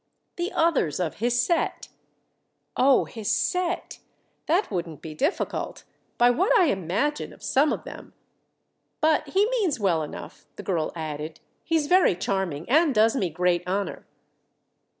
"The others of his set." "Oh, his set! That wouldn't be difficult—by what I imagine of some of them. But he means well enough," the girl added; "he's very charming and does me great honour."